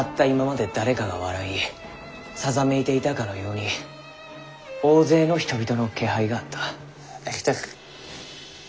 今まで誰かが笑いさざめいていたかのように大勢の人々の気配があった」。